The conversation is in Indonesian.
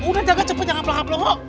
udah jangan cepet jangan pelan pelan kok